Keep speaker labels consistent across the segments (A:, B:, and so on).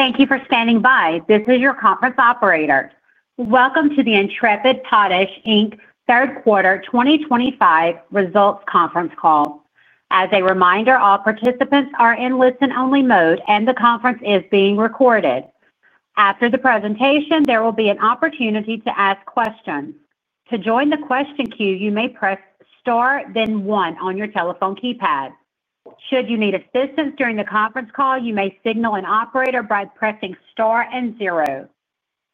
A: Thank you for standing by. This is your conference operator. Welcome to the Intrepid Potash Third Quarter 2025 Results Conference Call. As a reminder, all participants are in listen-only mode, and the conference is being recorded. After the presentation, there will be an opportunity to ask questions. To join the question queue, you may press Star, then 1 on your telephone keypad. Should you need assistance during the conference call, you may signal an operator by pressing Star and 0.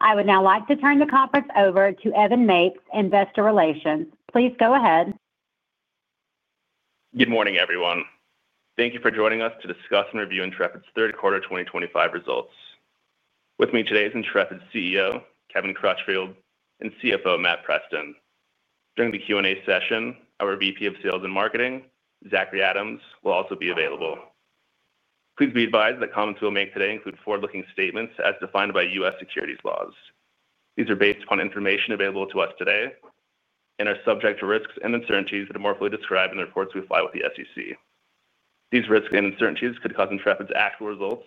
A: I would now like to turn the conference over to Evan Mapes, Investor Relations. Please go ahead.
B: Good morning, everyone. Thank you for joining us to discuss and review Intrepid's third quarter 2025 results. With me today is Intrepid's CEO, Kevin Crutchfield, and CFO, Matt Preston. During the Q&A session, our VP of Sales and Marketing, Zachry Adams, will also be available. Please be advised that comments we'll make today include forward-looking statements as defined by U.S. securities laws. These are based upon information available to us today and are subject to risks and uncertainties that are more fully described in the reports we file with the SEC. These risks and uncertainties could cause Intrepid's actual results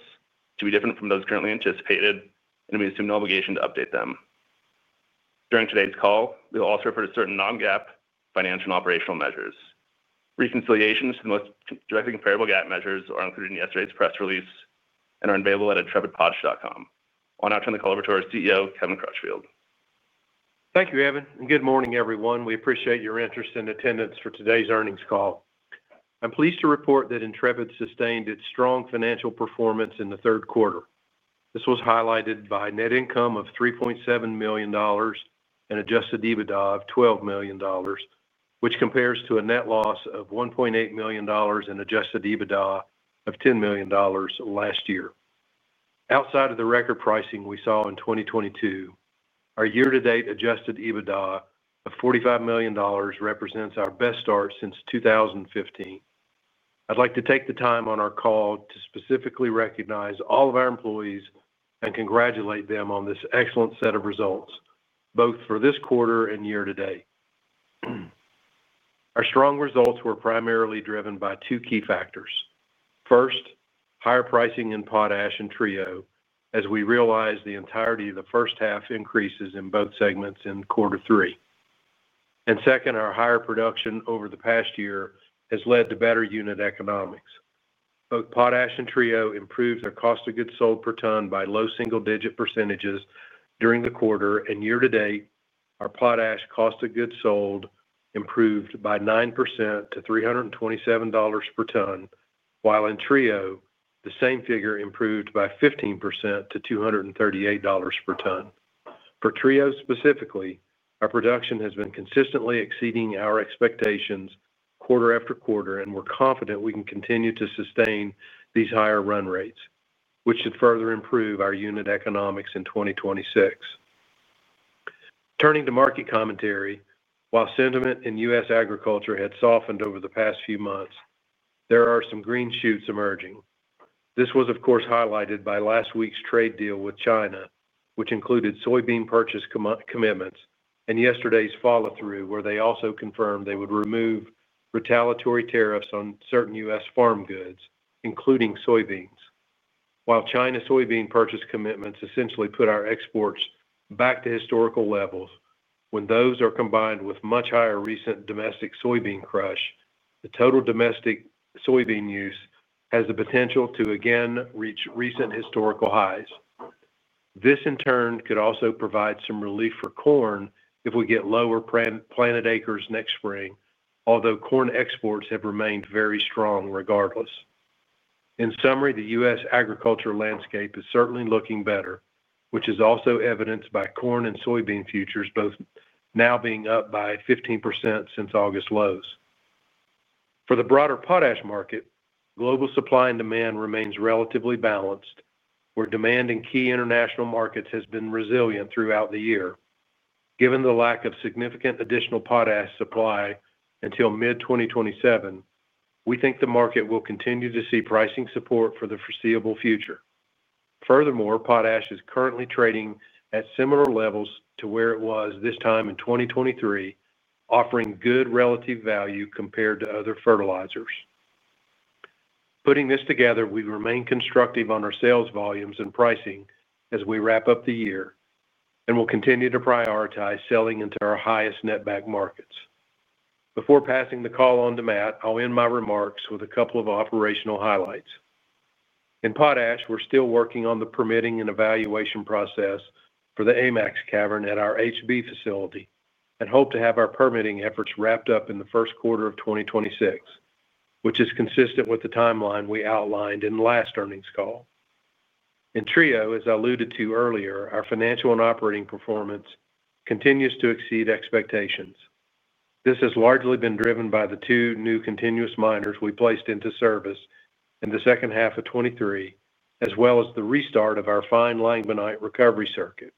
B: to be different from those currently anticipated, and we assume no obligation to update them. During today's call, we will also refer to certain non-GAAP financial and operational measures. Reconciliations to the most directly comparable GAAP measures are included in yesterday's press release and are available at intrepidpotash.com. I'll now turn the call over to our CEO, Kevin Crutchfield.
C: Thank you, Evan. Good morning, everyone. We appreciate your interest and attendance for today's earnings call. I'm pleased to report that Intrepid sustained its strong financial performance in the third quarter. This was highlighted by net income of $3.7 million. Adjusted EBITDA of $12 million, which compares to a net loss of $1.8 million and adjusted EBITDA of $10 million last year. Outside of the record pricing we saw in 2022, our year-to-date adjusted EBITDA of $45 million represents our best start since 2015. I'd like to take the time on our call to specifically recognize all of our employees and congratulate them on this excellent set of results, both for this quarter and year to date. Our strong results were primarily driven by two key factors. First, higher pricing in potash and Trio, as we realized the entirety of the first half increases in both segments in quarter three. Second, our higher production over the past year has led to better unit economics. Both potash and Trio improved their cost of goods sold per ton by low single-digit percentages during the quarter, and year to date, our potash cost of goods sold improved by 9% to $327 per ton, while in Trio, the same figure improved by 15% to $238 per ton. For Trio specifically, our production has been consistently exceeding our expectations quarter after quarter, and we're confident we can continue to sustain these higher run rates, which should further improve our unit economics in 2026. Turning to market commentary, while sentiment in U.S. agriculture had softened over the past few months, there are some green shoots emerging. This was, of course, highlighted by last week's trade deal with China, which included soybean purchase commitments and yesterday's follow-through, where they also confirmed they would remove retaliatory tariffs on certain U.S. farm goods, including soybeans. While China's soybean purchase commitments essentially put our exports back to historical levels, when those are combined with much higher recent domestic soybean crush, the total domestic soybean use has the potential to again reach recent historical highs. This, in turn, could also provide some relief for corn if we get lower planted acres next spring, although corn exports have remained very strong regardless. In summary, the U.S. agriculture landscape is certainly looking better, which is also evidenced by corn and soybean futures, both now being up by 15% since August lows. For the broader potash market, global supply and demand remains relatively balanced, where demand in key international markets has been resilient throughout the year. Given the lack of significant additional potash supply until mid-2027, we think the market will continue to see pricing support for the foreseeable future. Furthermore, potash is currently trading at similar levels to where it was this time in 2023, offering good relative value compared to other fertilizers. Putting this together, we remain constructive on our sales volumes and pricing as we wrap up the year, and we'll continue to prioritize selling into our highest net back markets. Before passing the call on to Matt, I'll end my remarks with a couple of operational highlights. In potash, we're still working on the permitting and evaluation process for the AMAX cavern at our HB facility and hope to have our permitting efforts wrapped up in the first quarter of 2026, which is consistent with the timeline we outlined in the last earnings call. In Trio, as I alluded to earlier, our financial and operating performance continues to exceed expectations. This has largely been driven by the two new continuous miners we placed into service in the second half of 2023, as well as the restart of our fine lignite recovery circuit.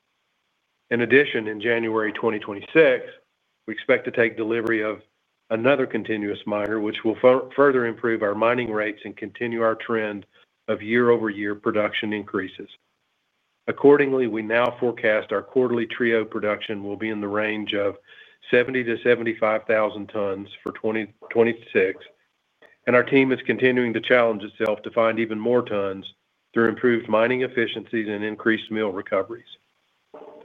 C: In addition, in January 2026, we expect to take delivery of another continuous miner, which will further improve our mining rates and continue our trend of year-over-year production increases. Accordingly, we now forecast our quarterly Trio production will be in the range of 70,000 tons-75,000 tons for 2026, and our team is continuing to challenge itself to find even more tons through improved mining efficiencies and increased meal recoveries.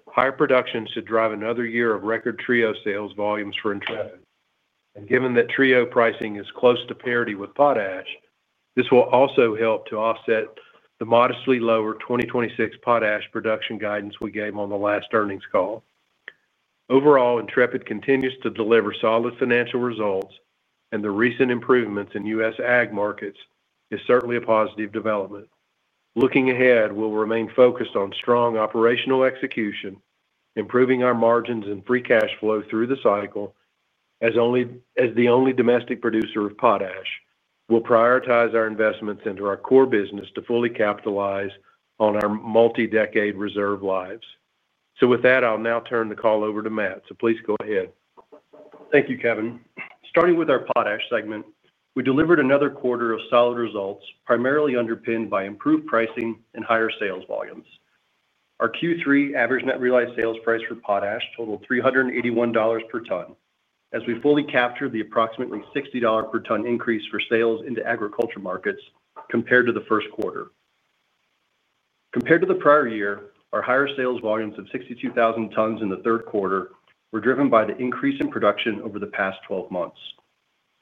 C: Higher production should drive another year of record Trio sales volumes for Intrepid. Given that Trio pricing is close to parity with potash, this will also help to offset the modestly lower 2026 potash production guidance we gave on the last earnings call. Overall, Intrepid continues to deliver solid financial results, and the recent improvements in U.S. ag markets are certainly a positive development. Looking ahead, we will remain focused on strong operational execution, improving our margins and free cash flow through the cycle, as the only domestic producer of potash. We will prioritize our investments into our core business to fully capitalize on our multi-decade reserve lives. With that, I'll now turn the call over to Matt. Please go ahead.
D: Thank you, Kevin. Starting with our potash segment, we delivered another quarter of solid results, primarily underpinned by improved pricing and higher sales volumes. Our Q3 average net realized sales price for potash totaled $381 per ton, as we fully captured the approximately $60 per ton increase for sales into agriculture markets compared to the first quarter. Compared to the prior year, our higher sales volumes of 62,000 tons in the third quarter were driven by the increase in production over the past 12 months.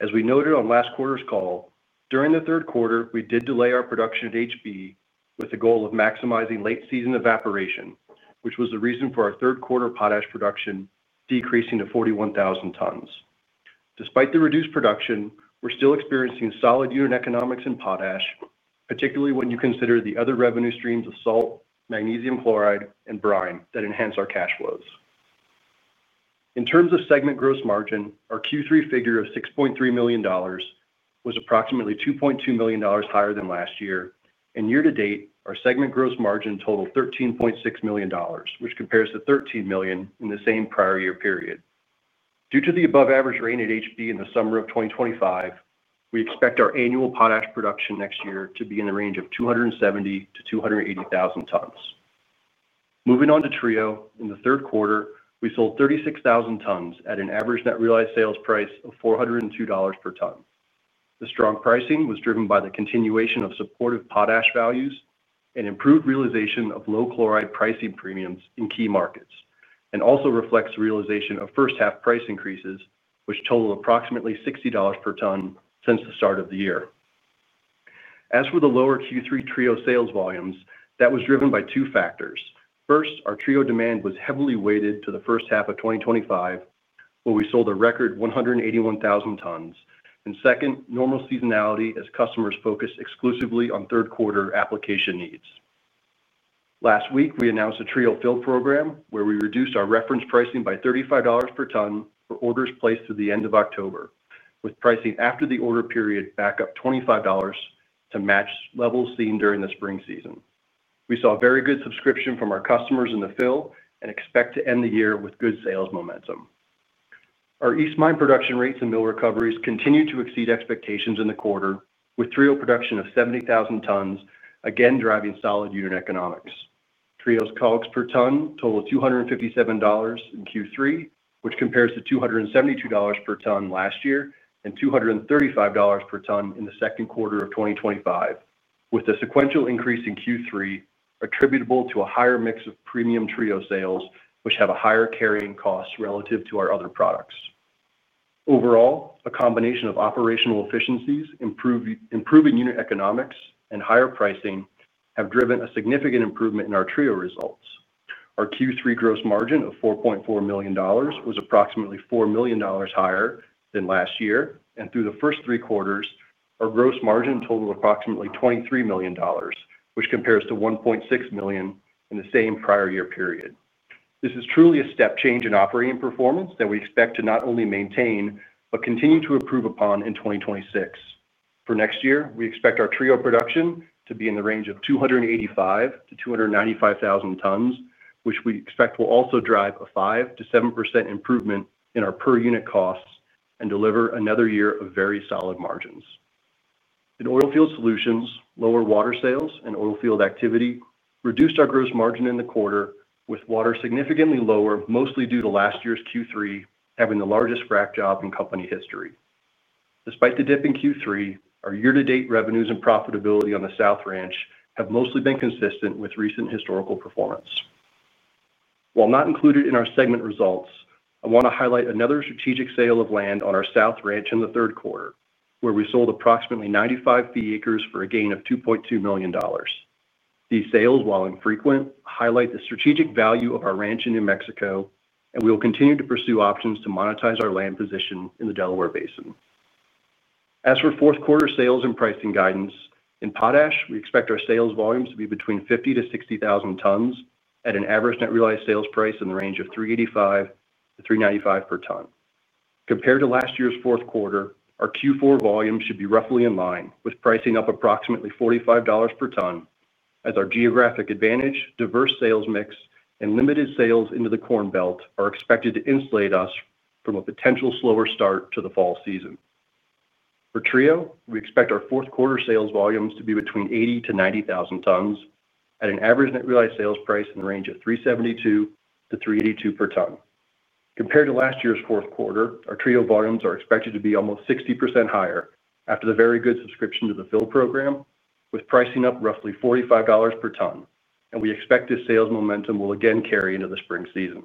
D: As we noted on last quarter's call, during the third quarter, we did delay our production at HB with the goal of maximizing late-season evaporation, which was the reason for our third quarter potash production decreasing to 41,000 tons. Despite the reduced production, we're still experiencing solid unit economics in potash, particularly when you consider the other revenue streams of salt, magnesium chloride, and brine that enhance our cash flows. In terms of segment gross margin, our Q3 figure of $6.3 million was approximately $2.2 million higher than last year. Year to date, our segment gross margin totaled $13.6 million, which compares to $13 million in the same prior year period. Due to the above-average rain at HB in the summer of 2025, we expect our annual potash production next year to be in the range of 270,000 tons-280,000 tons. Moving on to Trio, in the third quarter, we sold 36,000 tons at an average net realized sales price of $402 per ton. The strong pricing was driven by the continuation of supportive potash values and improved realization of low chloride pricing premiums in key markets, and also reflects realization of first-half price increases, which totaled approximately $60 per ton since the start of the year. As for the lower Q3 Trio sales volumes, that was driven by two factors. First, our Trio demand was heavily weighted to the first half of 2025, where we sold a record 181,000 tons. Second, normal seasonality as customers focused exclusively on third-quarter application needs. Last week, we announced a Trio fill program where we reduced our reference pricing by $35 per ton for orders placed through the end of October, with pricing after the order period back up $25 to match levels seen during the spring season. We saw very good subscription from our customers in the fill and expect to end the year with good sales momentum. Our East Mine production rates and meal recoveries continued to exceed expectations in the quarter, with Trio production of 70,000 tons again driving solid unit economics. Trio's COGS per ton totaled $257 in Q3, which compares to $272 per ton last year and $235 per ton in the second quarter of 2025, with a sequential increase in Q3 attributable to a higher mix of premium Trio sales, which have a higher carrying cost relative to our other products. Overall, a combination of operational efficiencies, improving unit economics, and higher pricing have driven a significant improvement in our Trio results. Our Q3 gross margin of $4.4 million was approximately $4 million higher than last year. Through the first three quarters, our gross margin totaled approximately $23 million, which compares to $1.6 million in the same prior year period. This is truly a step change in operating performance that we expect to not only maintain but continue to improve upon in 2026. For next year, we expect our Trio production to be in the range of 285,000 tons-295,000 tons, which we expect will also drive a 5%-7% improvement in our per unit costs and deliver another year of very solid margins. In oilfield solutions, lower water sales and oilfield activity reduced our gross margin in the quarter, with water significantly lower, mostly due to last year's Q3 having the largest frac job in company history. Despite the dip in Q3, our year-to-date revenues and profitability on the South Ranch have mostly been consistent with recent historical performance. While not included in our segment results, I want to highlight another strategic sale of land on our South Ranch in the third quarter, where we sold approximately 95 acres for a gain of $2.2 million. These sales, while infrequent, highlight the strategic value of our ranch in New Mexico, and we will continue to pursue options to monetize our land position in the Delaware Basin. As for fourth-quarter sales and pricing guidance, in potash, we expect our sales volumes to be between 50,000 tons-60,000 tons at an average net realized sales price in the range of $385 per ton-$395 per ton. Compared to last year's fourth quarter, our Q4 volumes should be roughly in line, with pricing up approximately $45 per ton, as our geographic advantage, diverse sales mix, and limited sales into the Corn Belt are expected to insulate us from a potential slower start to the fall season. For Trio, we expect our fourth-quarter sales volumes to be between 80,000 tons and 90,000 tons at an average net realized sales price in the range of $372 per ton to $382 per ton. Compared to last year's fourth quarter, our Trio volumes are expected to be almost 60% higher after the very good subscription to the fill program, with pricing up roughly $45 per ton. We expect this sales momentum will again carry into the spring season.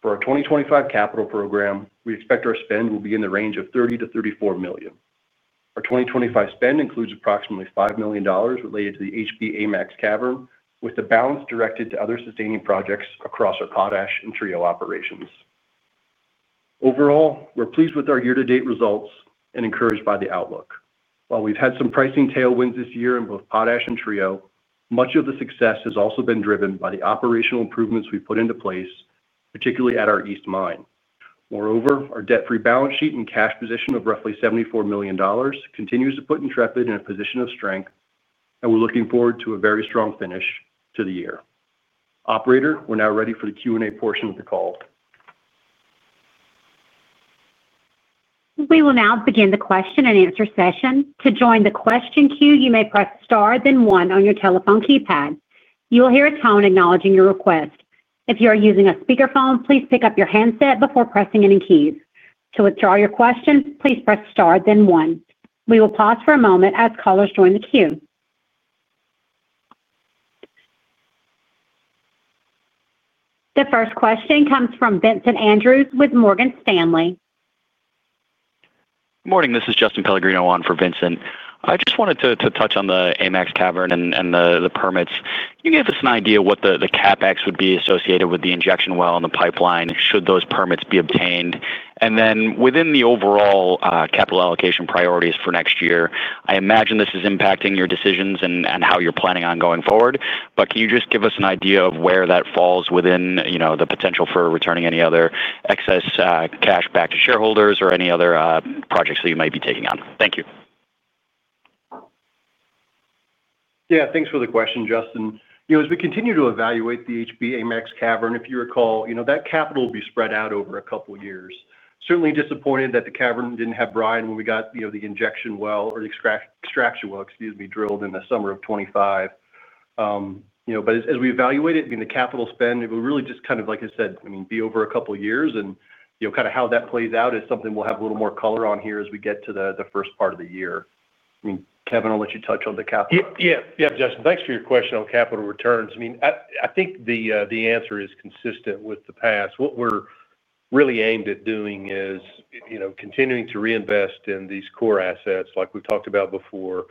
D: For our 2025 capital program, we expect our spend will be in the range of $30 million-$34 million. Our 2025 spend includes approximately $5,000,000 related to the HB AMAX cavern, with the balance directed to other sustaining projects across our potash and Trio operations. Overall, we're pleased with our year-to-date results and encouraged by the outlook. While we've had some pricing tailwinds this year in both potash and Trio, much of the success has also been driven by the operational improvements we've put into place, particularly at our East Mine. Moreover, our debt-free balance sheet and cash position of roughly $74 million continues to put Intrepid in a position of strength, and we're looking forward to a very strong finish to the year. Operator, we're now ready for the Q&A portion of the call.
A: We will now begin the question and answer session. To join the question queue, you may press star then one on your telephone keypad. You will hear a tone acknowledging your request. If you are using a speakerphone, please pick up your handset before pressing any keys. To withdraw your question, please press star then one. We will pause for a moment as callers join the queue. The first question comes from Vincent Andrews with Morgan Stanley.
E: Morning. This is Justin Pellegrino on for Vincent. I just wanted to touch on the AMAX cavern and the permits. Can you give us an idea of what the CapEx would be associated with the injection well and the pipeline? Should those permits be obtained? Within the overall capital allocation priorities for next year, I imagine this is impacting your decisions and how you're planning on going forward. Can you just give us an idea of where that falls within the potential for returning any other excess cash back to shareholders or any other projects that you might be taking on? Thank you.
D: Yeah. Thanks for the question, Justin. As we continue to evaluate the HB AMAX cavern, if you recall, that capital will be spread out over a couple of years. Certainly disappointed that the cavern did not have brine when we got the injection well or the extraction well, excuse me, drilled in the summer of 2025. As we evaluate it, the capital spend, it will really just kind of, like I said, be over a couple of years. Kind of how that plays out is something we will have a little more color on here as we get to the first part of the year. I mean, Kevin, I will let you touch on the capital.
C: Yeah. Yeah, Justin, thanks for your question on capital returns. I mean, I think the answer is consistent with the past. What we're really aimed at doing is continuing to reinvest in these core assets, like we've talked about before,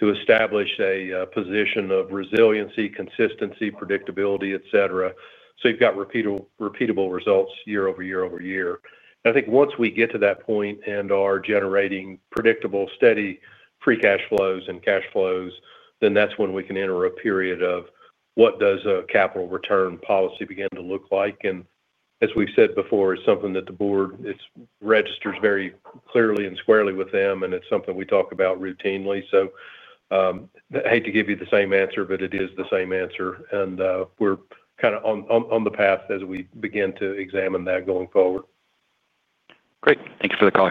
C: to establish a position of resiliency, consistency, predictability, et cetera, so you've got repeatable results year over year over year. I think once we get to that point and are generating predictable, steady free cash flows and cash flows, then that's when we can enter a period of what does a capital return policy begin to look like. As we've said before, it's something that the board registers very clearly and squarely with them, and it's something we talk about routinely. I hate to give you the same answer, but it is the same answer. We're kind of on the path as we begin to examine that going forward.
E: Great. Thank you for the call.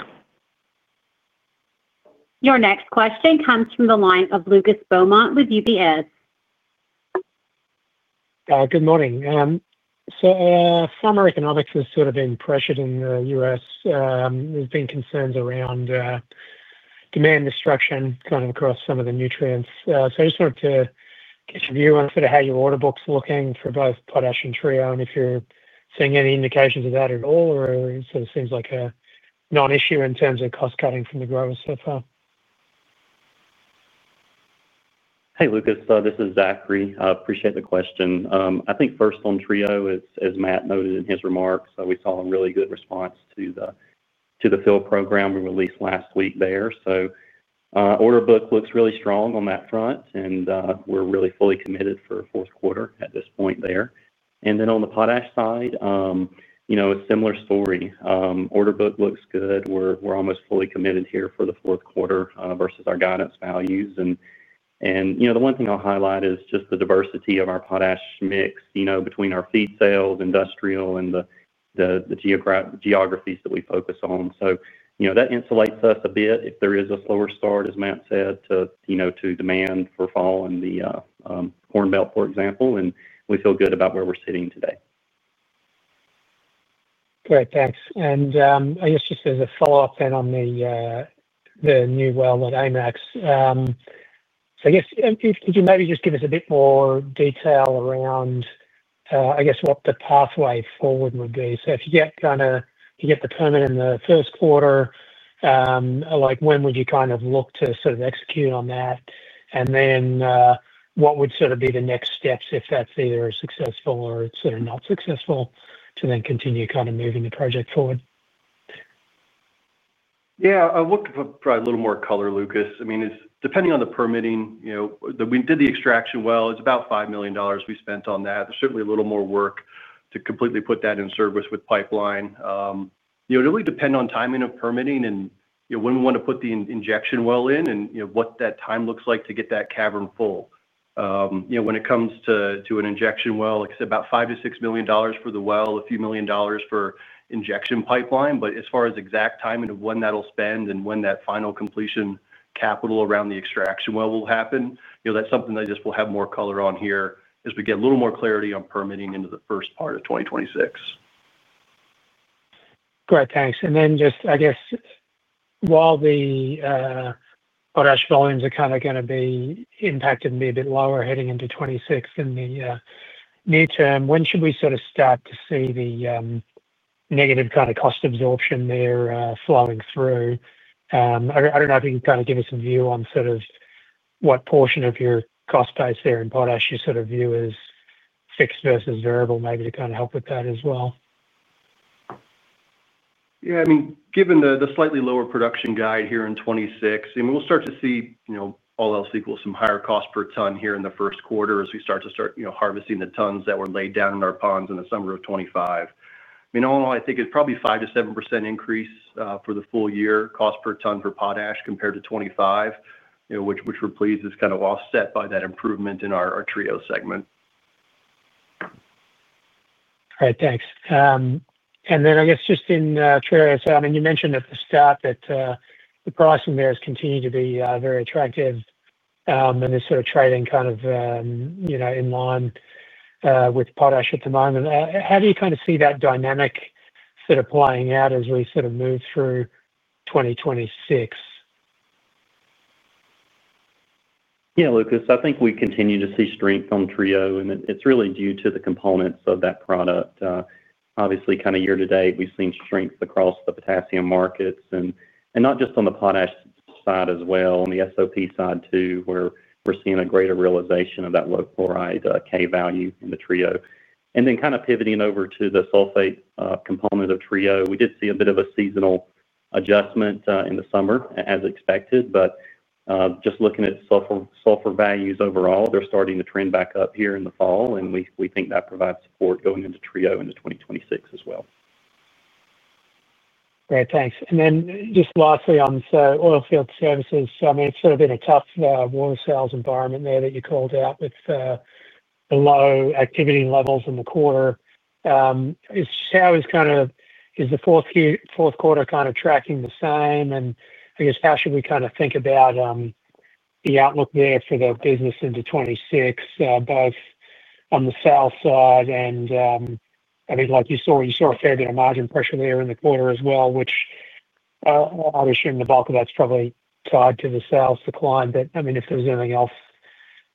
A: Your next question comes from the line of Lucas Beaumont with UBS.
F: Good morning. Farmer economics has sort of been pressured in the U.S. There have been concerns around demand destruction kind of across some of the nutrients. I just wanted to get your view on how your order book is looking for both potash and Trio, and if you are seeing any indications of that at all, or it seems like a non-issue in terms of cost-cutting from the growers so far.
G: Hey, Lucas. This is Zachry. I appreciate the question. I think first on Trio, as Matt noted in his remarks, we saw a really good response to the fill program we released last week there. Order book looks really strong on that front, and we're really fully committed for a fourth quarter at this point there. On the potash side, a similar story. Order book looks good. We're almost fully committed here for the fourth quarter versus our guidance values. The one thing I'll highlight is just the diversity of our potash mix between our feed sales, industrial, and the geographies that we focus on. That insulates us a bit if there is a slower start, as Matt said, to demand for fall in the Corn Belt, for example. We feel good about where we're sitting today.
F: Great. Thanks. I guess just as a follow-up then on the new well at AMAX. Could you maybe just give us a bit more detail around what the pathway forward would be? If you get the permit in the first quarter, when would you look to sort of execute on that? What would be the next steps if that is either successful or not successful to then continue moving the project forward?
D: Yeah. I'll [look for probably] a little more color, Lucas. I mean, depending on the permitting, we did the extraction well. It's about $5 million we spent on that. There's certainly a little more work to completely put that in service with pipeline. It'll really depend on timing of permitting and when we want to put the injection well in and what that time looks like to get that cavern full. When it comes to an injection well, like I said, about $5 million-$6 million for the well, a few million dollars for injection pipeline. As far as exact timing of when that'll spend and when that final completion capital around the extraction well will happen, that's something that I just will have more color on here as we get a little more clarity on permitting into the first part of 2026.
F: Great. Thanks. And then just, I guess, while the potash volumes are kind of going to be impacted maybe a bit lower heading into 2026, in the near term, when should we sort of start to see the negative kind of cost absorption there flowing through? I do not know if you can kind of give us a view on sort of what portion of your cost base there in potash you sort of view as fixed versus variable, maybe to kind of help with that as well.
D: Yeah. I mean, given the slightly lower production guide here in 2026, I mean, we'll start to see all else equal some higher cost per ton here in the first quarter as we start to start harvesting the tons that were laid down in our ponds in the summer of 2025. I mean, all in all, I think it's probably a 5%-7% increase for the full year cost per ton for potash compared to 2025, which we're pleased is kind of offset by that improvement in our Trio segment.
F: All right. Thanks. I guess just in Trio, I mean, you mentioned at the start that the pricing there has continued to be very attractive. It is sort of trading kind of in line with potash at the moment. How do you kind of see that dynamic sort of playing out as we sort of move through 2026?
G: Yeah, Lucas. I think we continue to see strength on Trio, and it's really due to the components of that product. Obviously, kind of year to date, we've seen strength across the potassium markets, and not just on the potash side as well, on the SOP side too, where we're seeing a greater realization of that low chloride K value in the Trio. Then kind of pivoting over to the sulfate component of Trio, we did see a bit of a seasonal adjustment in the summer, as expected. Just looking at sulfur values overall, they're starting to trend back up here in the fall, and we think that provides support going into trio into 2026 as well.
F: Great. Thanks. Then just lastly on oilfield services, I mean, it's sort of been a tough water sales environment there that you called out with the low activity levels in the quarter. Is the fourth quarter kind of tracking the same? I guess how should we kind of think about the outlook there for the business into 2026, both on the south side and, I mean, like you saw, you saw a fair bit of margin pressure there in the quarter as well, which I'm assuming the bulk of that's probably tied to the sales decline. If there's anything else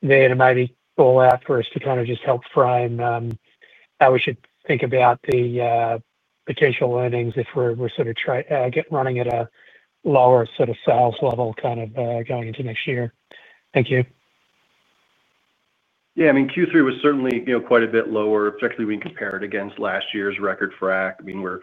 F: there to maybe call out for us to kind of just help frame how we should think about the potential earnings if we're sort of running at a lower sort of sales level kind of going into next year. Thank you.
D: Yeah. I mean, Q3 was certainly quite a bit lower, particularly when compared against last year's record for [ACK]. I mean, we're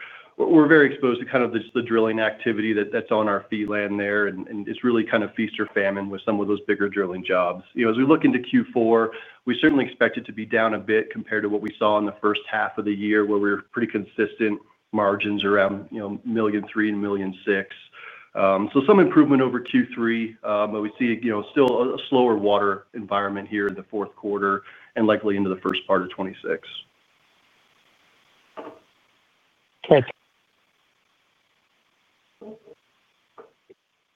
D: very exposed to kind of the drilling activity that's on our [free land] there, and it's really kind of feast or famine with some of those bigger drilling jobs. As we look into Q4, we certainly expect it to be down a bit compared to what we saw in the first half of the year where we were pretty consistent margins around $1.3 million and $1.6 million. Some improvement over Q3, but we see still a slower water environment here in the fourth quarter and likely into the first part of 2026.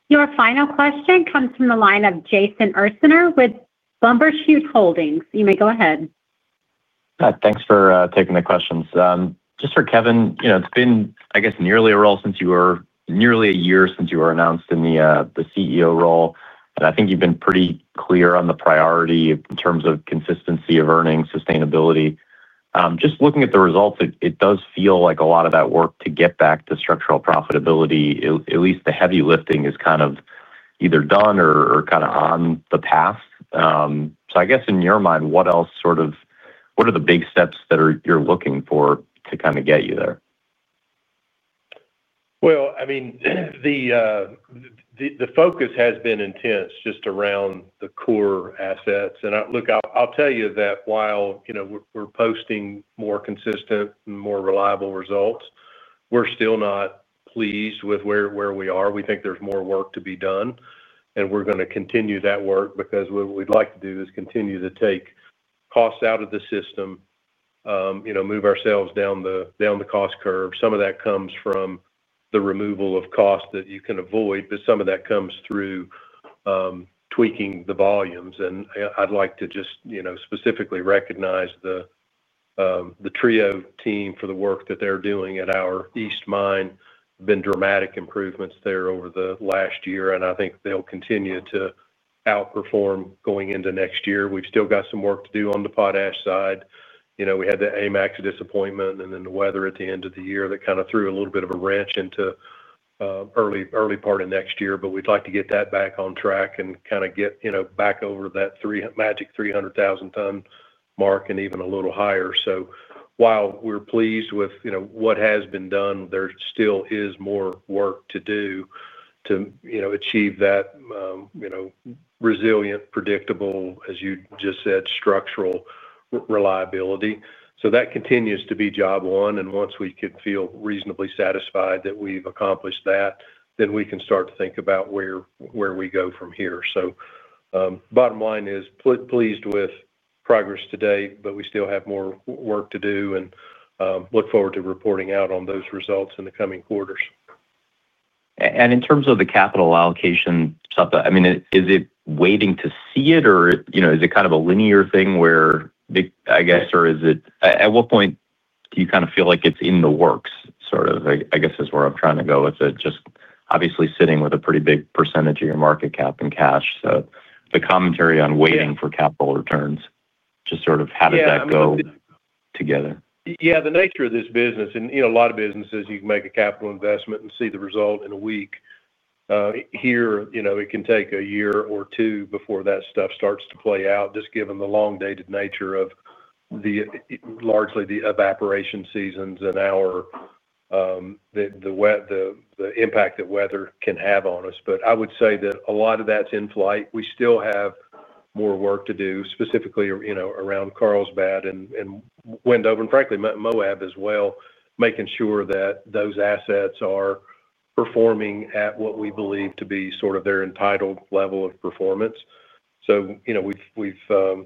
A: Your final question comes from the line of Jason Ursaner with Bumbershoot Holdings. You may go ahead.
H: Thanks for taking the questions. Just for Kevin, it's been, I guess, nearly a year since you were announced in the CEO role. And I think you've been pretty clear on the priority in terms of consistency of earnings, sustainability. Just looking at the results, it does feel like a lot of that work to get back to structural profitability, at least the heavy lifting is kind of either done or kind of on the path. I guess in your mind, what else, sort of, what are the big steps that you're looking for to kind of get you there?
C: I mean, the focus has been intense just around the core assets. Look, I'll tell you that while we're posting more consistent and more reliable results, we're still not pleased with where we are. We think there's more work to be done, and we're going to continue that work because what we'd like to do is continue to take costs out of the system, move ourselves down the cost curve. Some of that comes from the removal of cost that you can avoid, but some of that comes through tweaking the volumes. I'd like to just specifically recognize the Trio team for the work that they're doing at our East Mine. There have been dramatic improvements there over the last year, and I think they'll continue to outperform going into next year. We've still got some work to do on the potash side. We had the AMAX disappointment and then the weather at the end of the year that kind of threw a little bit of a wrench into the early part of next year. We would like to get that back on track and kind of get back over that magic 300,000-ton mark and even a little higher. While we are pleased with what has been done, there still is more work to do to achieve that. Resilient, predictable, as you just said, structural reliability. That continues to be job one. Once we can feel reasonably satisfied that we have accomplished that, we can start to think about where we go from here. Bottom line is pleased with progress to date, but we still have more work to do and look forward to reporting out on those results in the coming quarters.
H: In terms of the capital allocation stuff, I mean, is it waiting to see it, or is it kind of a linear thing where, I guess, or is it at what point do you kind of feel like it's in the works sort of? I guess is where I'm trying to go. It's just obviously sitting with a pretty big percentage of your market cap in cash. The commentary on waiting for capital returns, just sort of how does that go together?
C: Yeah. The nature of this business, and a lot of businesses, you can make a capital investment and see the result in a week. Here, it can take a year or two before that stuff starts to play out, just given the long-dated nature of, largely, the evaporation seasons, or the impact that weather can have on us. I would say that a lot of that is in flight. We still have more work to do, specifically around Carlsbad and Wendover, and frankly, Moab as well, making sure that those assets are performing at what we believe to be sort of their entitled level of performance. We have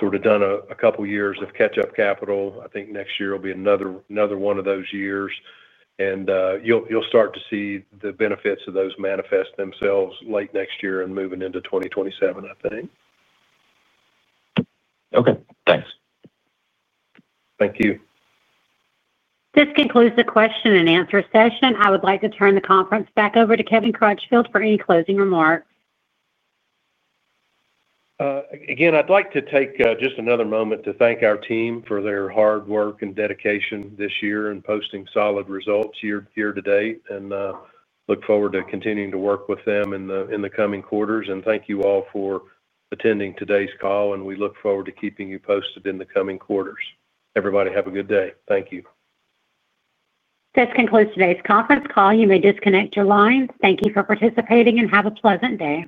C: sort of done a couple of years of catch-up capital. I think next year will be another one of those years. You will start to see the benefits of those manifest themselves late next year and moving into 2027, I think.
G: Okay. Thanks.
D: Thank you.
A: This concludes the question and answer session. I would like to turn the conference back over to Kevin Crutchfield for any closing remarks.
C: Again, I'd like to take just another moment to thank our team for their hard work and dedication this year in posting solid results year to date. I look forward to continuing to work with them in the coming quarters. Thank you all for attending today's call, and we look forward to keeping you posted in the coming quarters. Everybody, have a good day. Thank you.
A: This concludes today's conference call. You may disconnect your line. Thank you for participating and have a pleasant day.